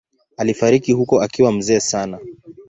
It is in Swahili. Alifariki huko akiwa mzee sana.